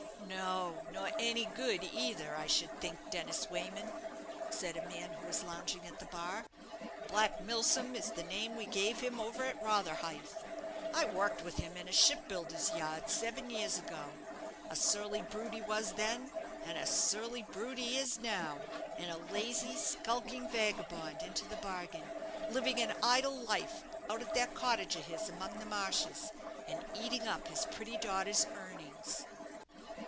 "No, nor any good either, I should think, Dennis Wayman," said a man who was lounging at the bar; "Black Milsom is the name we gave him over at Rotherhithe. I worked with him in a shipbuilder's yard seven years ago: a surly brute he was then, and a surly brute he is now; and a lazy, skulking vagabond into the bargain, living an idle life out at that cottage of his among the marshes, and eating up his pretty daughter's earnings."